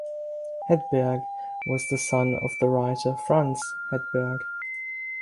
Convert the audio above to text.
Hedberg was the son of the writer Frans Hedberg.